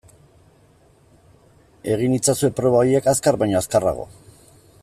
Egin itzazue proba horiek azkar baino azkarrago.